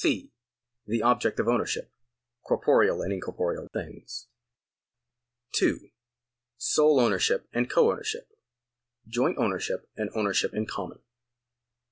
(c) The object of ownership. Corporeal and incorporeal things. 2. Sole ownership and co ownership. Joint ownership and ownership in common.